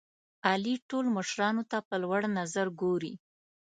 علي ټول مشرانو ته په لوړ نظر ګوري.